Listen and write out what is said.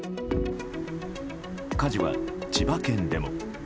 火事は千葉県でも。